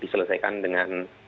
dan diselesaikan dengan secara sengaja